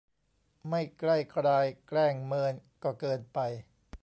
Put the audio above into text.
ไม่ใกล้กราย แกล้งเมิน ก็เกินไป